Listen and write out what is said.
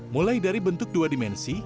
mulai dari bentuk dua dimensi